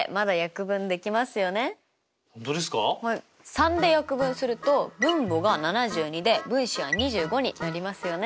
３で約分すると分母が７２で分子は２５になりますよね。